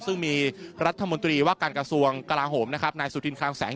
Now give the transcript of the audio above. ซึ่งมีรัฐมนตรีว่าการกระทรวงกลาโหมนะครับนายสุธินคลังแสง